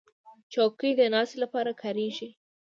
چوکۍ د ناستې لپاره کارېږي.